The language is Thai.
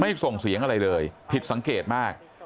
ส่งเสียงอะไรเลยผิดสังเกตมาก